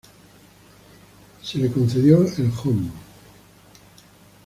Se le concedió el Hon.